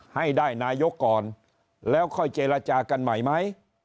ให้ได้นายกก่อนแล้วค่อยเจรจากันใหม่ไหม